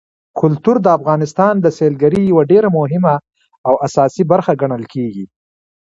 کلتور د افغانستان د سیلګرۍ یوه ډېره مهمه او اساسي برخه ګڼل کېږي.